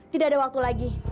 tidak ada waktu lagi